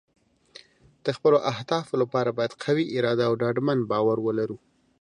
د خپلو اهدافو لپاره باید قوي اراده او ډاډمن باور ولرو.